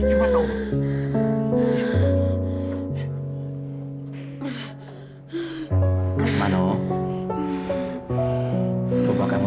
kamu yang yang lawan aku